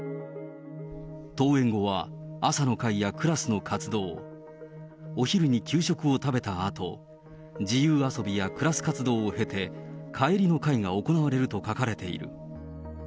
登園後は朝の会やクラスの活動、お昼に給食を食べたあと、自由遊びやクラス活動を経て、帰りの会が行われると書かれている。